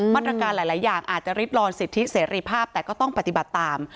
มาตรการหลายอย่างอาจจะริดลอนสิทธิเสรีภาพแต่ก็ต้องปฏิบัติตาม